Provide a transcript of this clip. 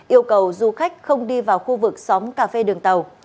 yêu cầu du khách không đi vào khu vực xóm cà phê đường tàu